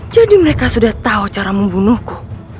jadi mereka sudah tahu cara membunuhku